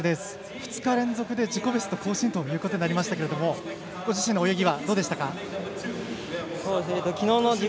２日連続で自己ベストを更新ということになりましたがご自身の泳ぎはどうでしたか？